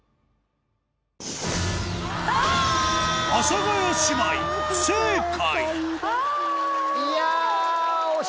阿佐ヶ谷姉妹不正解いや。